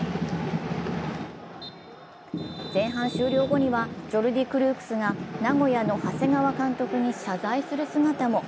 前半終了後にはジョルディ・クルークスが名古屋の長谷川監督に謝罪する姿も。